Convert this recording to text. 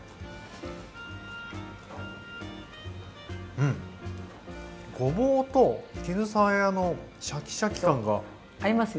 うんごぼうと絹さやのシャキシャキ感が。